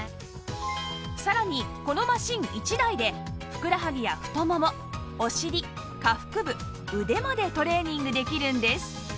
さらにこのマシン１台でふくらはぎや太ももお尻下腹部腕までトレーニングできるんです